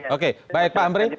oke baik pak amri